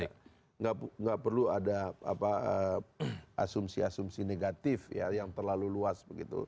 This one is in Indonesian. tidak perlu ada asumsi asumsi negatif yang terlalu luas